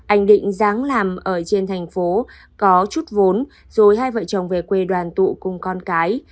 anh định dáng làm ở trên thành phố có chút vốn rồi hai vợ chồng về quê đoàn tụ cùng con cái